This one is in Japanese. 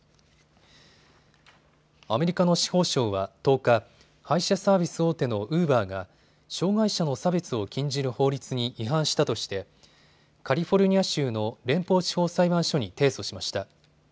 アメリカの司法省は１０日、配車サービス大手のウーバーが障害者の差別を禁じる法律に違反したとしてカリフォルニア州の連邦地方裁判所に提訴しました。